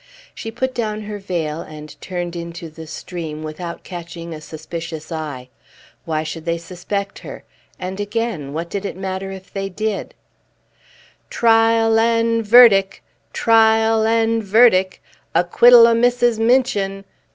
She put down her veil and turned into the stream without catching a suspicious eye. Why should they suspect her? And again, what did it matter if they did? "Trial an' verdic'! Trial an' verdic'! Acquittal o' Mrs. Minchin!